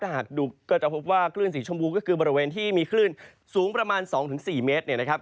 ถ้าหากดูก็จะพบว่าคลื่นสีชมพูก็คือบริเวณที่มีคลื่นสูงประมาณ๒๔เมตรเนี่ยนะครับ